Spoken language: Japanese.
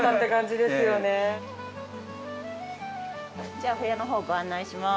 じゃあお部屋の方ご案内します。